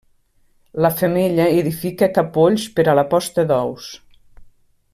La femella edifica capolls per a la posta d'ous.